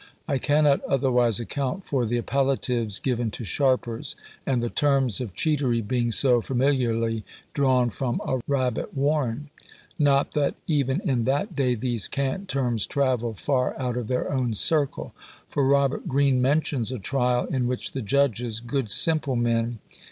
I cannot otherwise account for the appellatives given to sharpers, and the terms of cheatery being so familiarly drawn from a rabbit warren; not that even in that day these cant terms travelled far out of their own circle; for Robert Greene mentions a trial in which the judges, good simple men!